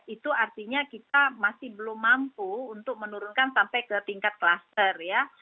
itu artinya kita masih belum mampu untuk menurunkan sampai ke tingkat kluster ya